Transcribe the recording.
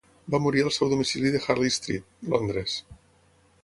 Va morir al seu domicili de Harley Street, Londres.